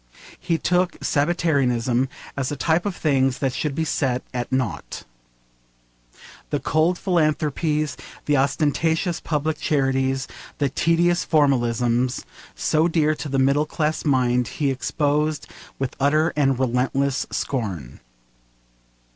He took sabbatarianism as a type of the things that should be set at nought. The cold philanthropies, the ostentatious public charities, the tedious formalisms so dear to the middle class mind, he exposed with utter and relentless scorn.